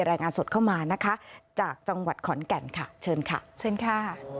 รายงานสดเข้ามานะคะจากจังหวัดขอนแก่นค่ะเชิญค่ะเชิญค่ะ